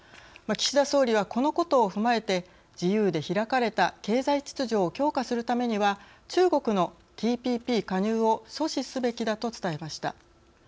岸田総理は、このことを踏まえて自由で開かれた経済秩序を強化するためには中国のＴＰＰ加入を阻止すべきだと伝えました。